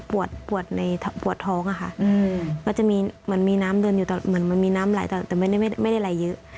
ปวดในปวดท้องอะค่ะก็จะมีเหมือนมีน้ำเดินอยู่แต่เหมือนมันมีน้ำไหลแต่ไม่ได้ไหลเยอะ